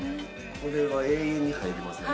これは永遠に入れますね。